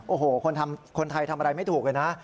โอ้โหคนไทยทำอะไรไม่ถูกเลยนะ